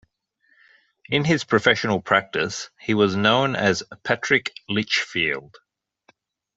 In his professional practice he was known as Patrick Lichfield.